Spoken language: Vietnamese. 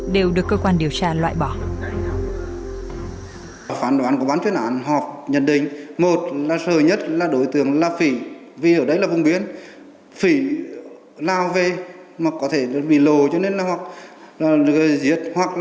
đều được cơ quan điều tra loại bỏ